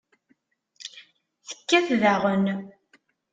Tekkat daɣen.